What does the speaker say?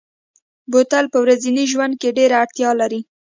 بوتل په ورځني ژوند کې ډېره اړتیا لري.